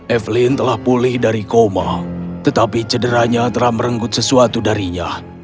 evelyn telah pulih dari koma tetapi cederanya telah merenggut sesuatu darinya